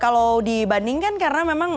kalau dibandingkan karena memang